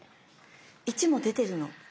１も出てるの。